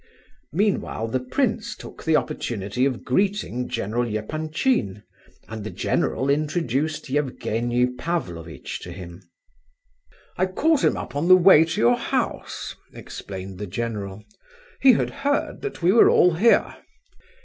Meanwhile the prince took the opportunity of greeting General Epanchin, and the general introduced Evgenie Pavlovitch to him. "I caught him up on the way to your house," explained the general. "He had heard that we were all here."